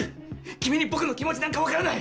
君に僕の気持ちなんかわからない。